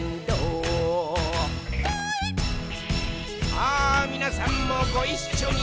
さあ、みなさんもごいっしょに！